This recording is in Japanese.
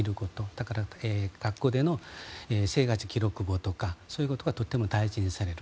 だから、学校での生活記録簿とかそういうことがとても大事にされる。